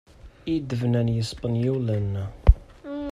I d-bnan yispenyulen.